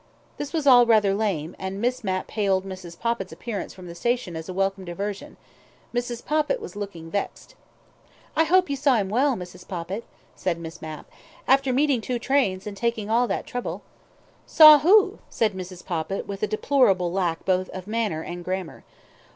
This was all rather lame, and Miss Mapp hailed Mrs. Poppit's appearance from the station as a welcome diversion. ... Mrs. Poppit was looking vexed. "I hope you saw him well, Mrs. Poppit," said Miss Mapp, "after meeting two trains, and taking all that trouble." "Saw who?" said Mrs. Poppit with a deplorable lack both of manner and grammar.